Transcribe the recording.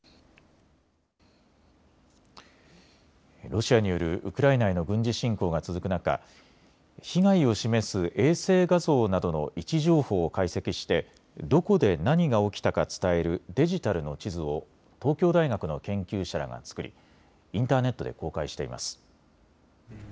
ロシアによるウクライナへの軍事侵攻が続く中、被害を示す衛星画像などの位置情報を解析してどこで何が起きたか伝えるデジタルの地図を東京大学の研究者らが作りインターネットで公開しています。